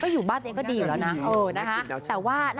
อยู่บ้านเองก็ดีกว่า